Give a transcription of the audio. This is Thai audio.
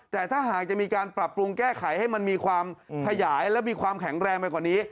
แต่ถ้าหากจะมีการปรับปรุงแก้ไขให้มันมีความขยายและมีความแข็งแรงไปกว่านี้